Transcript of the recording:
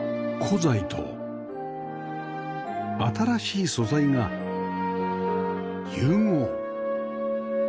古材と新しい素材が融合